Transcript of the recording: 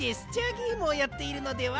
ゲームをやっているのでは？